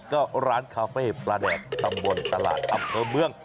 ก็ร้านคาเฟ่ปลาแดดตำบลตลาดอำเภอเมือง